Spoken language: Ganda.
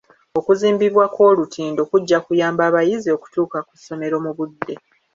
Okuzimbibwa kw'olutindo kujja kuyamba abayizi okutuuka ku ssomero mu budde.